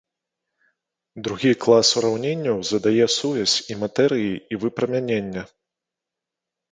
Другі клас ураўненняў задае сувязь і матэрыі і выпрамянення.